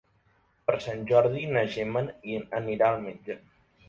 Per Sant Jordi na Gemma anirà al metge.